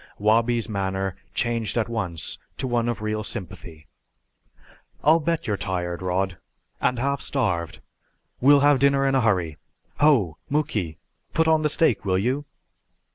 Wabi's manner changed at once to one of real sympathy. "I'll bet you're tired, Rod, and half starved. We'll have dinner in a hurry. Ho, Muky, put on the steak, will you?"